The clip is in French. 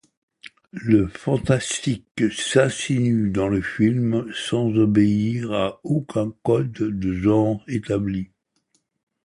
Le fantastique s'insinue dans le film sans obéir à aucun code de genre établi.